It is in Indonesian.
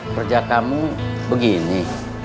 kerja kamu begini